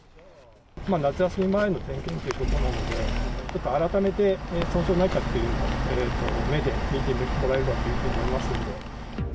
夏休み前の点検ということなので、改めて損傷ないかって、目で見てもらえればということがありますので。